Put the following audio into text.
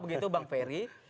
begitu bang ferry